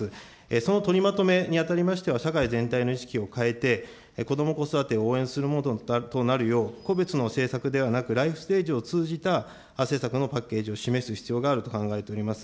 その取りまとめにあたりましては、社会全体の意識を変えて、こども・子育てを応援するものとなるよう、個別の政策ではなく、ライフステージを通じた政策のパッケージを示す必要があると考えております。